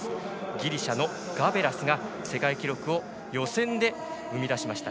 ギリシャのガベラスが世界記録を予選で生み出しました。